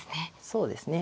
そうですね。